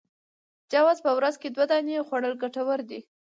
جوز په ورځ کي دوې دانې خوړل ګټور دي